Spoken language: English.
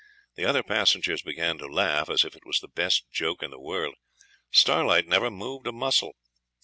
The other passengers began to laugh, as if it was the best joke in the world. Starlight never moved a muscle.